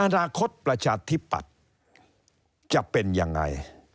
อนาคตประชาธิปัตย์จะเป็นยังไง